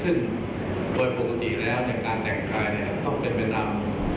ซึ่งโดยปกติแล้วในการแต่งกายต้องเป็นไปตาม